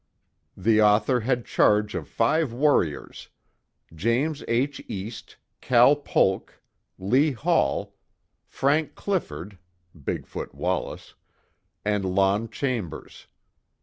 The author had charge of five "warriors," Jas. H. East, Cal Polk, Lee Hall, Frank Clifford (Big Foot Wallace), and Lon Chambers.